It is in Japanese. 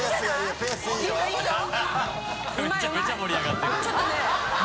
めちゃめちゃ盛り上がってる。